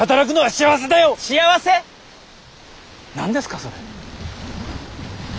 何ですかそれ。